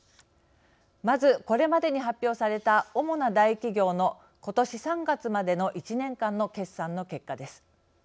まずこれまでに発表された主な大企業の今年３月までの１年間の決算の結果です。